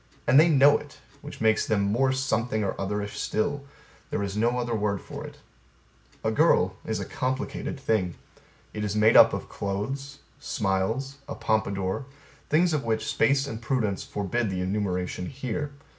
And they know it which makes them more something or otherish still: there is no other word for it. A girl is a complicated thing. It is made up of clothes, smiles, a pompadour, things of which space and prudence forbid the enumeration here.